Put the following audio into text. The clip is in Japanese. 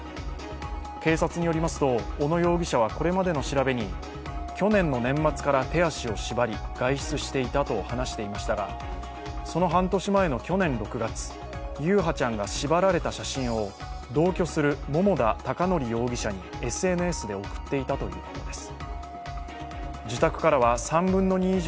警察によりますと、小野容疑者はこれまでの調べに去年の年末から手足を縛り外出していたと話していましたが、その半年前の去年６月、優陽ちゃんが縛られた写真を同居する桃田貴徳容疑者にＳＮＳで送っていたということです。